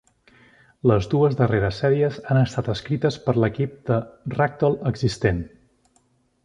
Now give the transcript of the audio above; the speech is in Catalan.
Les dues darreres sèries han estat escrites per l'equip de Ragdoll existent.